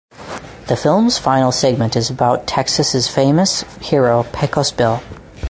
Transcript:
The film's final segment is about Texas' famous hero Pecos Bill.